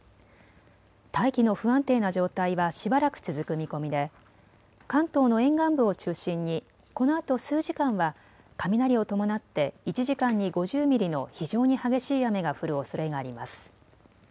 大気の不安定な状態はしばらく続く見込みで関東の沿岸部を中心にこのあと数時間は雷を伴って１時間に５０ミリの非常に激しい雨が降るおそれがあります。